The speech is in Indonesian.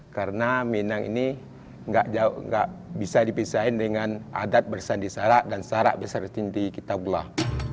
karena minang ini nggak bisa dipisahin dengan adat bersandisara dan sarak bersandisara di kitabullah